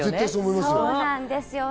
そうなんですよ。